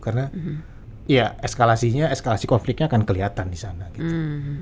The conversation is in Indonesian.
karena ya eskalasinya eskalasi konfliknya akan kelihatan di sana gitu